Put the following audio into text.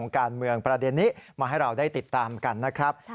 การเมืองประเด็นนี้มาให้เราได้ติดตามกันนะครับ